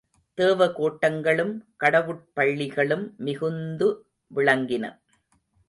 தேவகோட்டங்களும், கடவுட் பள்ளிகளும் மிகுந்து விளங்கின.